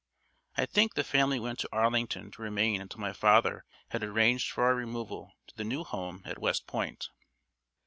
I think the family went to Arlington to remain until my father had arranged for our removal to the new home at West Point.